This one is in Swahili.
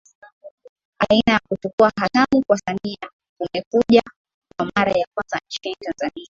Aina ya kuchukua hatamu kwa Samia kumekuja kwa mara ya kwanza nchini Tanzania